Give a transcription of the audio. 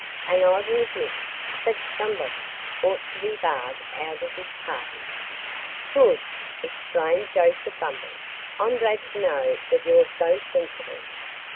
"And I will admit that somebody ought to be barred out of this party." "Good!" exclaimed Joseph Bumble. "I'm glad to know that you're so sensible."